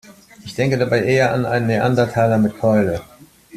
Ich denke dabei eher an einen Neandertaler mit Keule.